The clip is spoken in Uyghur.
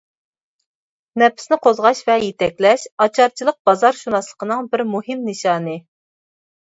نەپىسنى قوزغاش ۋە يېتەكلەش ئاچارچىلىق بازارشۇناسلىقىنىڭ بىر مۇھىم نىشانى.